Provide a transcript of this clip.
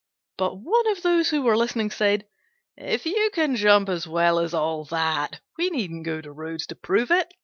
But one of those who were listening said, "If you can jump as well as all that, we needn't go to Rhodes to prove it.